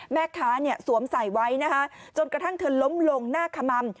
แม่ค้าเนี่ยสวมใส่ไว้นะคะจนกระทั่งเธอล้มลงหน้าขม่ำ